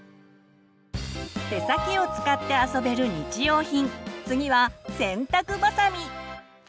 手先を使って遊べる日用品次は洗濯ばさみ。